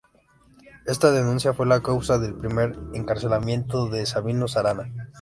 Esta denuncia fue la causa del primer encarcelamiento de Sabino Arana.